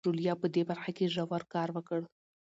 ژوليا په دې برخه کې ژور کار وکړ.